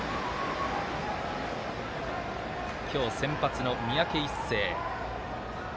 今日、先発の三宅一誠。